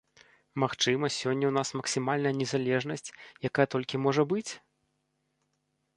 Магчыма, сёння ў нас максімальная незалежнасць, якая толькі можа быць?